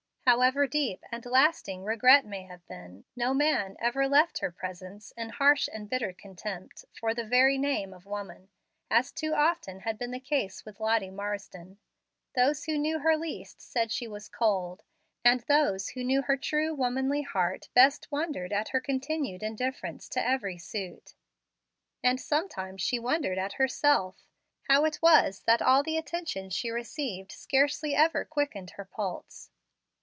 However deep and lasting regret may have been, no man ever left her presence in harsh and bitter contempt for the very name of woman, as too often had been the case with Lottie Marsden. Those who knew her least said she was cold, and those who knew her true, womanly heart best wondered at her continued indifference to every suit. And sometimes she wondered at herself, how it was that all the attention she received scarcely ever quickened her pulse.